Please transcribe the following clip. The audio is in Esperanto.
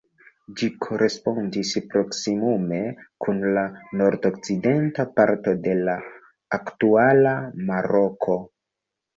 Ĝi korespondis proksimume kun la nordokcidenta parto de la aktuala Maroko.